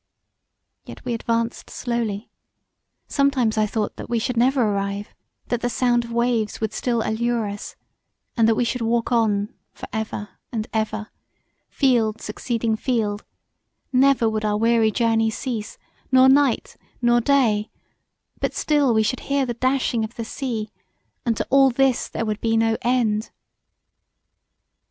Yet we advanced slowly: sometimes I thought that we should never arrive; that the sound of waves would still allure us, and that we should walk on for ever and ever: field succeeding field, never would our weary journey cease, nor night nor day; but still we should hear the dashing of the sea, and to all this there would be no end.